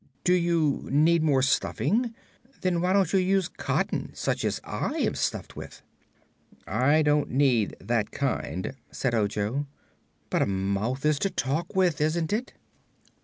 "Do you need more stuffing? Then why don't you use cotton, such as I am stuffed with?" "I don't need that kind," said Ojo. "But a mouth is to talk with, isn't it?"